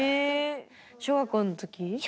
小学校の時？